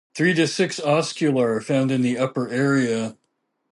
Three to six oscula are found in the upper area.